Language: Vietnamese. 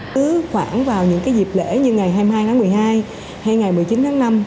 cứ khoảng vào những dịp lễ như ngày hai mươi hai tháng một mươi hai hay ngày một mươi chín tháng năm